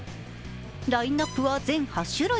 ラインナップは全８種類。